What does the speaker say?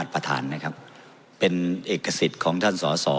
เป็นเอกสิตของท่านสอสอ